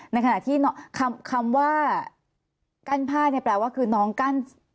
ในขณะที่คำว่ากั้นผ้าเนี่ยแปลว่าคือน้องกั้น